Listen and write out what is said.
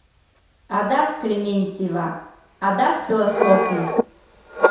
Адак Клементьева, адак философий...